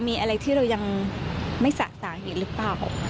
ไม่สะสางอีกหรือเปล่า